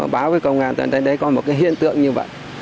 báo với công an là đây có một cái hiện tượng như vậy